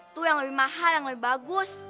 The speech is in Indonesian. itu yang lebih mahal yang lebih bagus